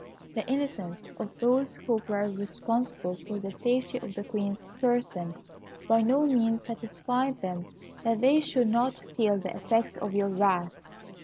The innocence of those who were responsible for the safety of the Queen's person by no means satisfied them that they should not feel the effects of your wrath.